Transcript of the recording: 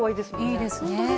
いいですね。